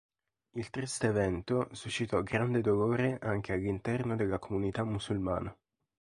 Il triste evento suscitò grande dolore anche all'interno della comunità musulmana.